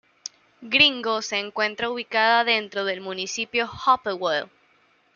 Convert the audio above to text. Gringo se encuentra ubicada dentro del municipio de Hopewell.